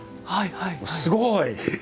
すごい。